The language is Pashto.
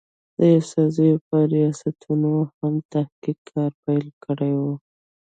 د يوسفزو پۀ رياستونو هم تحقيقي کار پېل کړی وو